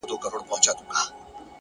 پوه انسان له ماتې نه وېرېږي